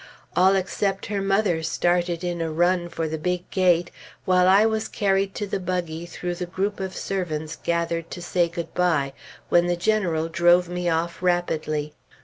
All except her mother started in a run for the big gate, while I was carried to the buggy through the group of servants gathered to say good bye, when the General drove me off rapidly.